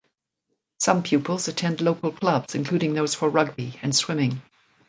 Some pupils attend local clubs including those for rugby and swimming.